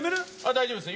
大丈夫です。